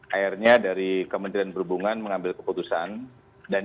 akhirnya dari kementerian perhubungan mengambil kesempatan yang lebih besar ya